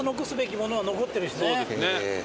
そうですね。